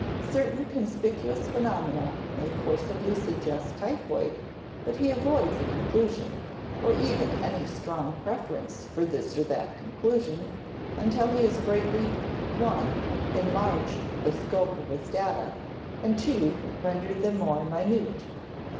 Certain conspicuous phenomena may forcibly suggest typhoid, but he avoids a conclusion, or even any strong preference for this or that conclusion until he has greatly (i) enlarged the scope of his data, and (ii) rendered them more minute.